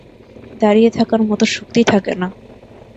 দাঁড়িয়ে থাকার মত শক্তি থাকে না।